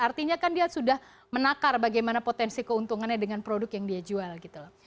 artinya kan dia sudah menakar bagaimana potensi keuntungannya dengan produk yang dia jual gitu loh